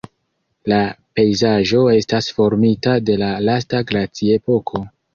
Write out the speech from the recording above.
La pejzaĝo estas formita de la lasta glaciepoko.